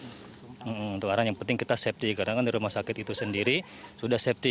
untuk orang yang penting kita safety karena kan di rumah sakit itu sendiri sudah safety